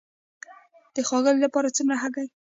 او د ښاغلي لپاره څومره هګۍ؟